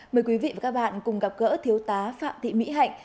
mời quý vị và các bạn cùng gặp gỡ thiếu tá phạm thị mỹ hạnh